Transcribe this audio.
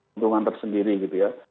hendungan tersendiri gitu ya